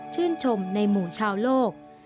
ชื่นชมในหมู่ชาวโลก